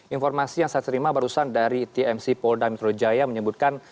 informasi yang saya terima barusan dari tmc polda metro jaya menyebutkan